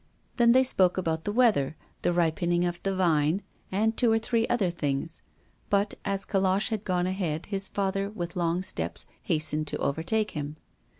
Then they spoke about the weather, the ripening of the vine, and two or three other things; but, as Colosse had gone ahead, his father with long steps hastened to overtake him.